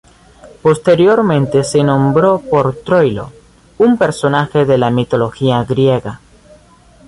Posteriormente se nombró por Troilo, un personaje de la mitología griega.